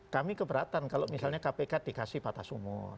kami keberatan kalau misalnya kpk dikasih batas umur